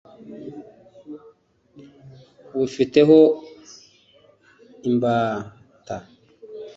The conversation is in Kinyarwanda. ubifiteho imbata